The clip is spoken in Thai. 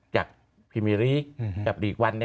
จากพรีเมริกส์กับอีกวันนี้